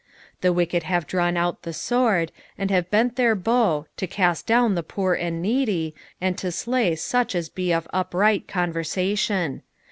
14 The wicked have drawn out the sword, and have bent their bow, to cast down the poor and needy, and to slay such as be of upright conversation.